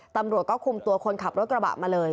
ตำรวจก็คุมตัวคนขับรถกระบะมาเลย